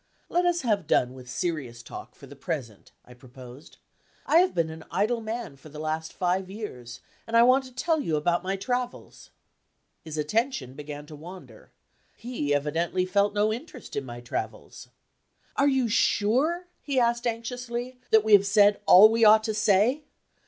"Let us have done with serious talk for the present," I proposed. "I have been an idle man for the last five years, and I want to tell you about my travels." His attention began to wander, he evidently felt no interest in my travels. "Are you sure," he asked anxiously, "that we have said all we ought to say?